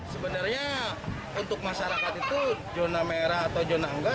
sebenarnya untuk masyarakat itu zona merah atau zona enggak